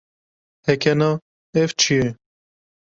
Heke na, ev çi ye?